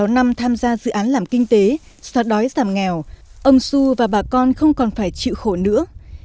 sáu năm tham gia dự án làm kinh tế xóa đói giảm nghèo ông xu và bà con không còn phải chịu khổ nữa